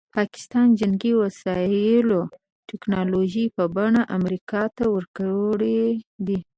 پاکستان جنګي وسایلو ټیکنالوژي په پټه امریکا ته ورکړې ده.